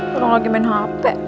belum lagi main hp